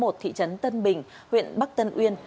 thị trấn tân bình huyện bắc tân uyên